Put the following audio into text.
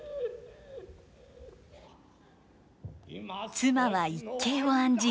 妻は一計を案じ